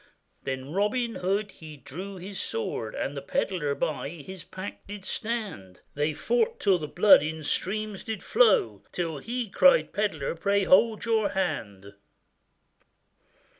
Then Robin Hood he drew his sword, And the pedlar by his pack did stand, They fought till the blood in streams did flow, Till he cried, 'Pedlar, pray hold your hand!